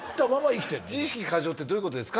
「自意識過剰ってどういうことですか？」